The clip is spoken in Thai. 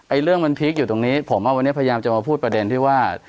เรื่องมันพีคอยู่ตรงนี้ผมว่าวันนี้พยายามจะมาพูดประเด็นที่ว่า